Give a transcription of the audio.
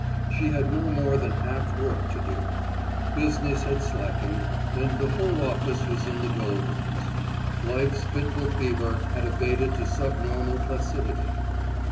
She had no more than half work to do. Business had slackened and the whole office was in the doldrums. Life's fitful fever had abated to subnormal placidity.